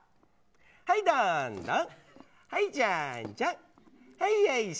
はい、どんどん。